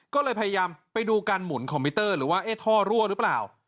ก็เลยพยายามไปดูการหมุนคอมพิวเตอร์หรือว่าเอ๊ะท่อรั่วหรือเปล่า